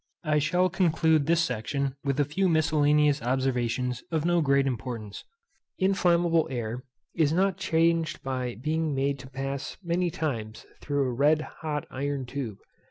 I shall conclude this section with a few miscellaneous observations of no great importance. Inflammable air is not changed by being made to pass many times through a red hot iron tube.